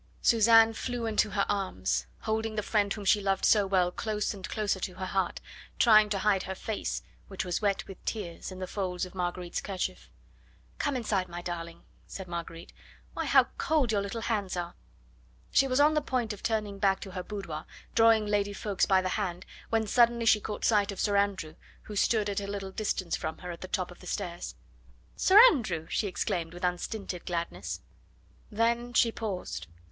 Suzanne flew into her arms, holding the friend whom she loved so well close and closer to her heart, trying to hide her face, which was wet with tears, in the folds of Marguerite's kerchief. "Come inside, my darling," said Marguerite. "Why, how cold your little hands are!" She was on the point of turning back to her boudoir, drawing Lady Ffoulkes by the hand, when suddenly she caught sight of Sir Andrew, who stood at a little distance from her, at the top of the stairs. "Sir Andrew!" she exclaimed with unstinted gladness. Then she paused.